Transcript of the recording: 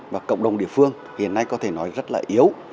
và cộng đồng địa phương hiện nay có thể nói rất là yếu